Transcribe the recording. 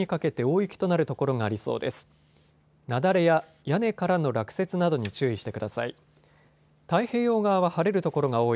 雪崩や屋根からの落雪などに注意してください。